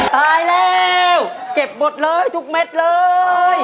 ตายแล้วเก็บหมดเลยทุกเม็ดเลย